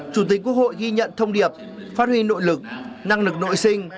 chủ tịch quốc hội ghi nhận thông điệp phát huy nội lực năng lực nội sinh